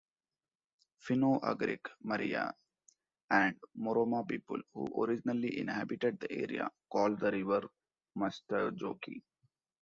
Finno-Ugric Merya and Muroma people, who originally inhabitet the area, called the river "Mustajoki".